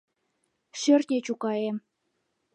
— Шӧртньӧ чукаем...